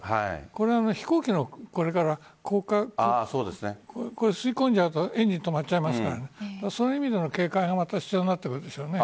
これは飛行機が吸い込んじゃうとエンジン止まっちゃいますからそういう意味での警戒が必要になってくるでしょうね。